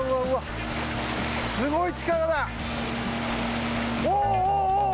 すごい力だ！